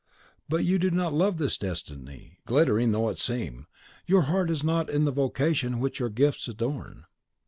"But you do not love this destiny, glittering though it seem; your heart is not in the vocation which your gifts adorn."